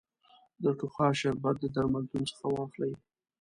د ټوخا شربت د درملتون څخه واخلی